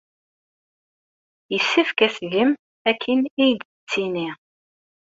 Yessefk ad tgem akken ay d-tettini.